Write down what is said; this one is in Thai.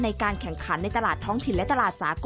ในการแข่งขันในตลาดท้องถิ่นและตลาดสากล